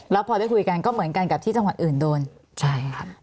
แล้วพอได้คุยกันก็เหมือนกันกับที่จังหวัดอื่นโดนใช่ค่ะ